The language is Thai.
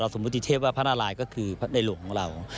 สมมติเทพว่าพระนารายย์ก็คือในหลวงของเรา